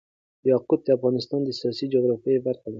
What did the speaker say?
یاقوت د افغانستان د سیاسي جغرافیه برخه ده.